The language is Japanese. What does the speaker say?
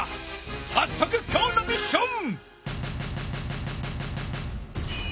さっそくきょうのミッション！